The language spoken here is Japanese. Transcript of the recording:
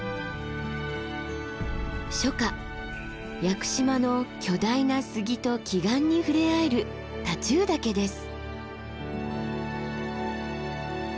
初夏屋久島の巨大な杉と奇岩に触れ合える太忠岳です。